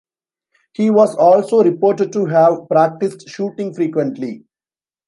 He was also reported to have practiced shooting frequently.